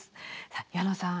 さあ矢野さん